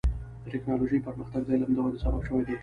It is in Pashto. د ټکنالوجۍ پرمختګ د علم د ودې سبب شوی دی.